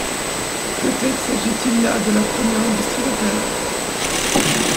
Peut-être s'agit-il là de la première industrie locale.